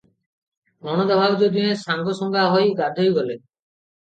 ନଣନ୍ଦ ଭାଉଜ ଦୁହେଁ ସାଙ୍ଗସୁଙ୍ଗା ହୋଇ ଗାଧୋଇ ଗଲେ ।